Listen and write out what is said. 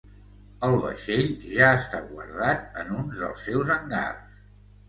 El vaixell ja està guardat en un dels seus hangars.